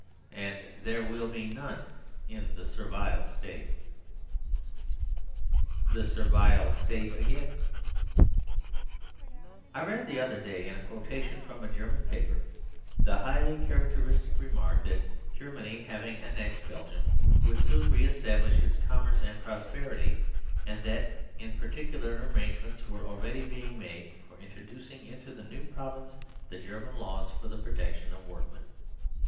And there will be none in the Servile State. THE SERVILE STATE AGAIN I read the other day, in a quotation from a German newspaper, the highly characteristic remark that Germany having annexed Belgium would soon re establish its commerce and prosperity, and that, in particular, arrangements were already being made for introducing into the new province the German laws for the protection of workmen.